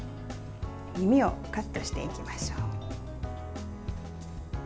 耳をカットしていきましょう。